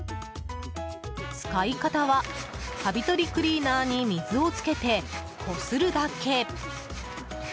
使い方はカビ取りクリーナーに水をつけてこするだけ。